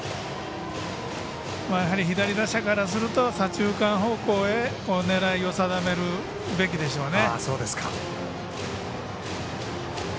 左打者からすると左中間方向へ狙いを定めるべきでしょうね。